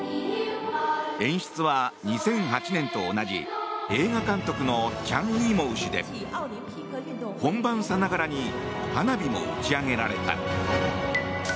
演出は２００８年と同じ映画監督のチャン・イーモウ氏で本番さながらに花火も打ち上げられた。